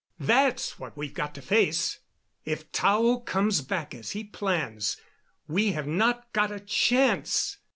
That's what we've got to face. "If Tao comes back as he plans, we have not got a chance.